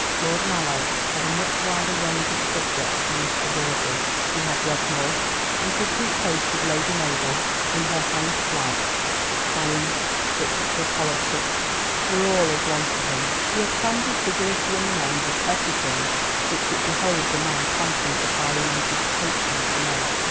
Lord Mallow had a much wider range of subjects than Mr. Vawdrey. He had read more, and could keep pace with Lady Mabel in her highest flights; science, literature, politics, were all as one to him. He had crammed his vigorous young mind with everything which it behoved a man panting for parliamentary distinction to know.